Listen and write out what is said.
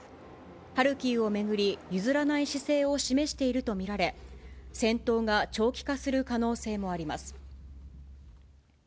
ハルキウを巡り、譲らない姿勢を示していると見られ、戦闘が長期化する可能性もあります。